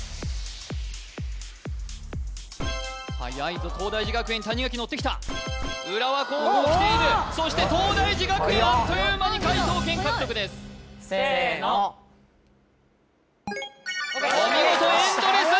はやいぞ東大寺学園谷垣のってきた浦和高校きているそして東大寺学園あっという間に解答権獲得ですせーのお見事エンドレス！